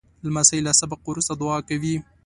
لمسی له سبق وروسته دعا کوي.